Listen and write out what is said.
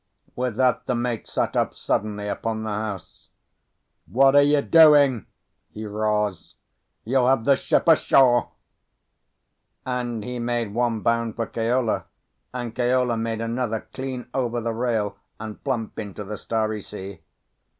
With that, the mate sat up suddenly upon the house. "What are you doing?" he roars. "You'll have the ship ashore!" And he made one bound for Keola, and Keola made another clean over the rail and plump into the starry sea.